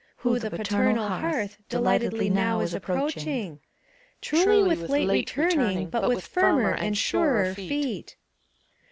Who the paternal hearth Delightedly now is approaching. Truly with late returning But with firmer and surer feet!